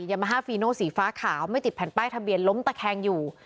ยามาฮาฟีโนสีฟ้าขาวไม่ติดแผ่นป้ายทะเบียนล้มตะแคงอยู่